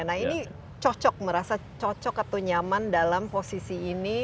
nah ini cocok merasa cocok atau nyaman dalam posisi ini